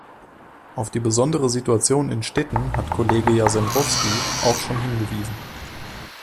Auf die besondere Situation in Städten hat Kollege Jarzembowski auch schon hingewiesen.